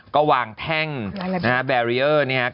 ก็วางแท่งแบรียอร์